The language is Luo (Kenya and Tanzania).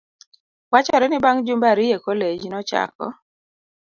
Wachore ni bang' jumbe ariyo e kolej, nochako